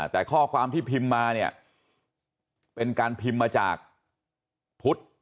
แต่ข้อความที่พิมพ์มาเนี่ยเป็นการพิมพ์มาจากพุทธ